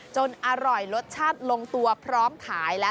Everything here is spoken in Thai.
อร่อยรสชาติลงตัวพร้อมขายแล้ว